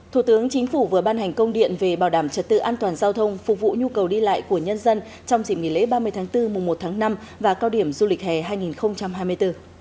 thủ tướng chính phủ vừa ban hành công điện về bảo đảm trật tự an toàn giao thông phục vụ nhu cầu đi lại của nhân dân trong dịp nghỉ lễ ba mươi tháng bốn mùa một tháng năm và cao điểm du lịch hè hai nghìn hai mươi bốn